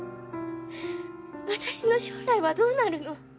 私の将来はどうなるの？